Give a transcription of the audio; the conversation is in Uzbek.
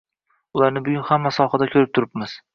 Ularni bugun hamma sohada koʻrib turibmiz